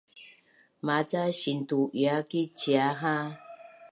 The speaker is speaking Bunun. Maca sintu’ia ki cia ha